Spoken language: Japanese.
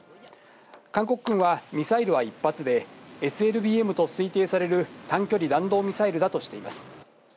韓国軍は、ミサイルは１発で、ＳＬＢＭと推定される短距離弾道ミサイルだとしています。